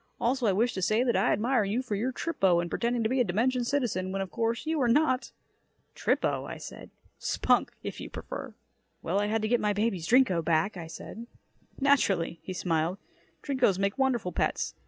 Also, I wish to say that I admire you for your trippo in pretending to be a dimension citizen, when, of course, you are not." "Trippo?" "Spunk, if you prefer." "Well, I had to get my baby's Drinko back," I said. "Naturally," he smiled. "Drinkos make wonderful pets.